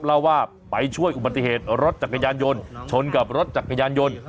เล่าว่าไปช่วยอุบัติเหตุรถจักรยานยนต์ชนกับรถจักรยานยนต์